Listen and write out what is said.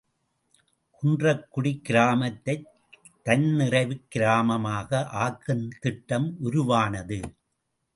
● குன்றக்குடி கிராமத்தைத் தன்னிறைவுக் கிராமமாக ஆக்கும் திட்டம் உருவானது.